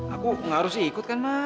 aku gak harus ikut kan mah